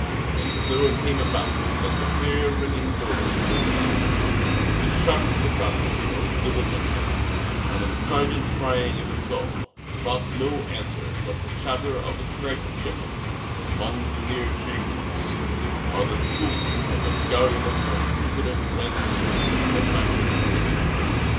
And so it came about that the clear ringing blows of his adze, the sharp staccato of his diligent hammer and the strident crying of his saw brought no answer but the chatter of the striped chipmunks among the near tree roots, or the scolding of the garrulous and inquisitive red squirrels from the branches overhead.